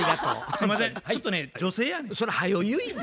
すいませんちょっとね女性やねん。